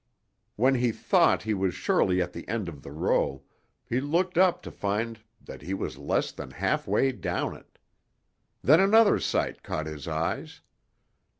When he thought he was surely at the end of the row, he looked up to find that he was less than halfway down it. Then another sight caught his eyes.